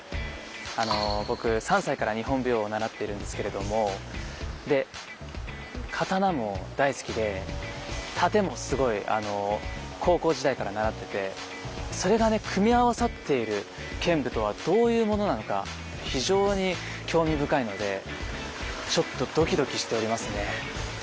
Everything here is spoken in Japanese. あの僕３歳から日本舞踊を習っているんですけれどもで刀も大好きで殺陣もすごい高校時代から習っててそれがね組み合わさっている剣舞とはどういうものなのか非常に興味深いのでちょっとドキドキしておりますね。